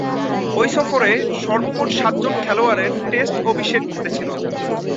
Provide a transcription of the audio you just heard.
ঐ সফরে সর্বমোট সাতজন খেলোয়াড়ের টেস্ট অভিষেক ঘটেছিল।